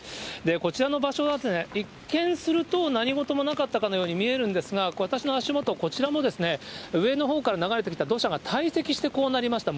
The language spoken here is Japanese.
こちらの場所なんですが、一見すると何事もなかったかのように見えるんですが、私の足元、こちらも上の方から流れてきた土砂が堆積して、こうなりました。